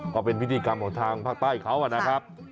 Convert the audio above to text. ก็เป็นพิธีกรรมของทางภาคใต้เขานะครับ